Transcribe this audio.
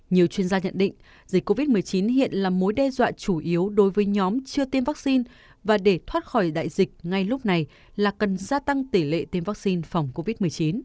nhiều chuyên gia nhận định dịch covid một mươi chín hiện là mối đe dọa chủ yếu đối với nhóm chưa tiêm vaccine và để thoát khỏi đại dịch ngay lúc này là cần gia tăng tỷ lệ tiêm vaccine phòng covid một mươi chín